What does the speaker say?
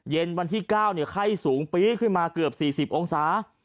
วันที่๙ไข้สูงปี๊ขึ้นมาเกือบ๔๐องศา